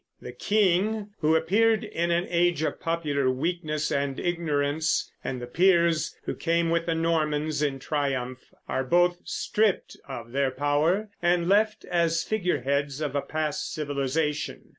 The king, who appeared in an age of popular weakness and ignorance, and the peers, who came with the Normans in triumph, are both stripped of their power and left as figureheads of a past civilization.